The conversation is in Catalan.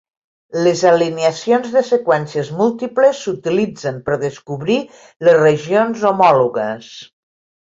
Les alineacions de seqüències múltiples s'utilitzen per descobrir les regions homòlogues.